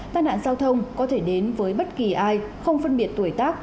tai nạn giao thông có thể đến với bất kỳ ai không phân biệt tuổi tác